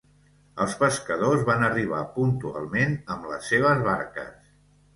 Els pescadors van arribar puntualment amb les seves barques